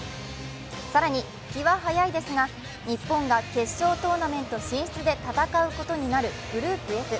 更に、気は早いですが、日本が決勝トーナメント進出で戦うことになるグループＦ。